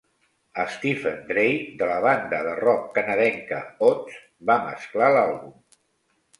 Stephen Drake, de la banda de rock canadenca Odds, va mesclar l'àlbum.